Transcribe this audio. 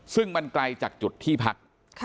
ซึ่งมันไกลจากจุดที่พัก